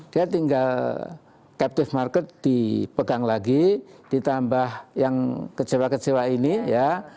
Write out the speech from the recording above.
dia tinggal captive market dipegang lagi ditambah yang kecewa kecewa ini ya